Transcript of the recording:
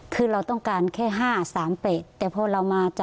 คือเราต้องการแค่๕๓๘